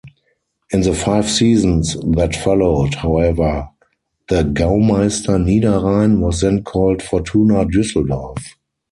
In the five seasons that followed, however, the Gaumeister Niederrhein was then called Fortuna Düsseldorf.